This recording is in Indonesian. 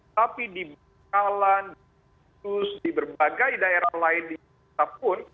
tapi di bangkalan di berbagai daerah lain di kita pun